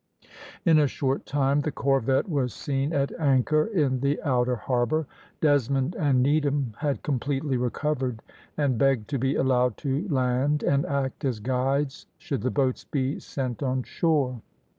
In a short time the corvette was seen at anchor in the outer harbour. Desmond and Needham had completely recovered, and begged to be allowed to land and act as guides, should the boats be sent on shore.